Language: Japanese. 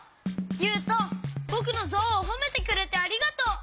ゆうとぼくのゾウをほめてくれてありがとう！